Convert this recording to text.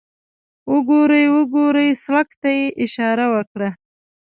وګورئ، وګورئ، سړک ته یې اشاره وکړه.